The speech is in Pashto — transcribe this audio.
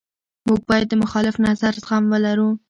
موږ باید د مخالف نظر زغم ولرو.